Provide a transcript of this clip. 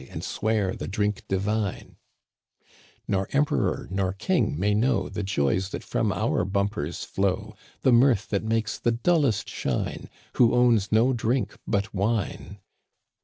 And swear the drink divine !Nor emperor nor king may know The joys that from our bumpers flow — The mirth that makes the dullest shine — Who owns no drink but wine